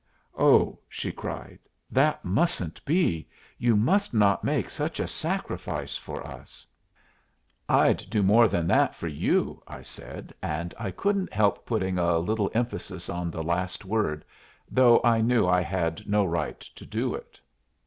"Oh!" she cried, "that mustn't be. You must not make such a sacrifice for us." "I'd do more than that for you," I said, and I couldn't help putting a little emphasis on the last word, though I knew I had no right to do it.